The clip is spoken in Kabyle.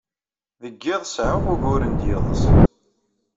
Deg yiḍ, seɛɛuɣ uguren d yiḍes.